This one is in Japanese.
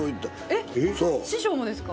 えっ師匠もですか？